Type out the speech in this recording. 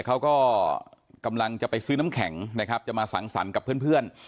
เขาก็กำลังจะไปซื้อน้ำแข็งนะครับจะมาสังสรรค์กับเพื่อน